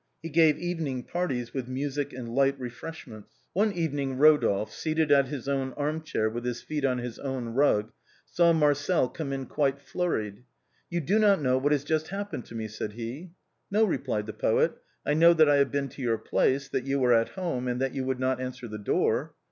He gave evening parties with music and light refresh ments. One evening Rodolphe, seated in his own armchair with his feet on his own rug, saw Marcel come in quite flurried. " You do not know what has just happened to me," said he. " No, replied the poet. "I know that I have been to your place, that you were at home, and that you would not answer the door."